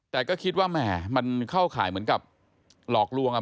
แต่ก็คิดว่าแหม่มันเข้าข่ายเหมือนกับหลอกลวง